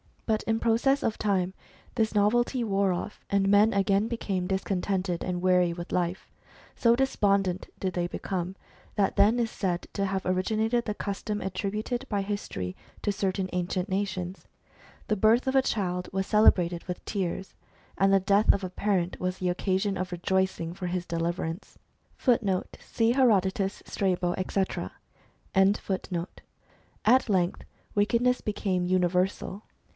But in process of time this novelty wore off, and men again became discontented and wearied with life. So despondent did they become, that then is said to have originated the custom attributed by history to certain ancient nations ; the birth of a child was celebrated with tears, and the death of a parent was the occasion of rejoicing for his deliverance.'^ At length wickedness became universal.